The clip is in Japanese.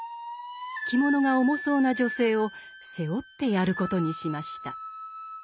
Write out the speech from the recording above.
着物が重そうな女性を背負ってやることにしました。